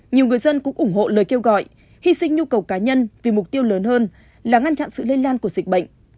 nhiều người dân cũng ủng hộ lời kêu gọi hy sinh nhu cầu cá nhân vì mục tiêu lớn hơn là ngăn chặn sự lây lan của dịch bệnh